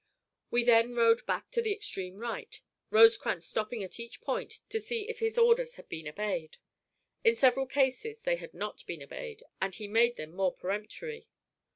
We then rode back to the extreme right, Rosecrans stopping at each point to see if his orders had been obeyed. In several cases they had not been obeyed, and he made them more peremptory.